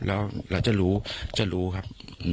แล้วเราจะรู้จะรู้ครับ